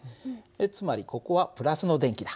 つまりここはの電気だ。